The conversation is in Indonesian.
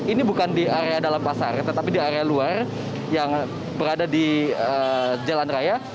ini bukan di area dalam pasar tetapi di area luar yang berada di jalan raya